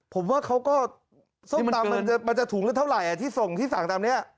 ผมว่าเขาก็ส้มตำมันจะถูงได้เท่าไหร่ที่สั่งตามนี้